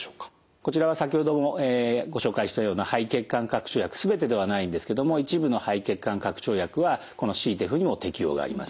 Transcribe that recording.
こちらは先ほどもご紹介したような肺血管拡張薬全てではないんですけども一部の肺血管拡張薬はこのＣＴＥＰＨにも適用があります。